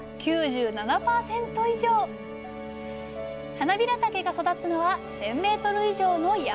はなびらたけが育つのは１，０００ｍ以上の山。